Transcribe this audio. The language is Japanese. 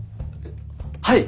はい！